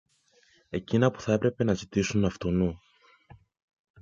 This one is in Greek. εκείνα που θα έπρεπε να ζητήσεις αυτουνού